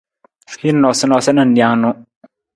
Hin noosanoosa nijanu.